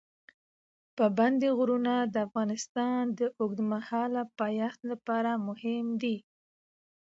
پابندي غرونه د افغانستان د اوږدمهاله پایښت لپاره مهم دي.